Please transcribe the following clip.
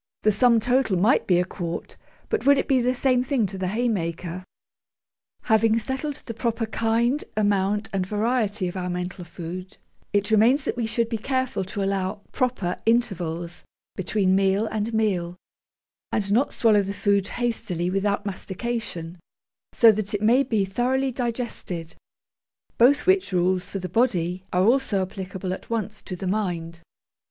The sum total might be a quart, but would it be the same thing to the haymaker? Having settled the proper kind, amount, and variety of our mental food, it remains that we should be careful to allow proper intervals between meal and meal, and not swallow the food hastily without mastication, so that it may be thoroughly digested; both which rules, for the body, are also applicable at once to the mind.